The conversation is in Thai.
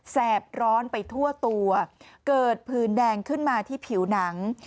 แบร้อนไปทั่วตัวเกิดพื้นแดงขึ้นมาที่ผิวหนัง